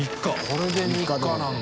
これで三日なんだ。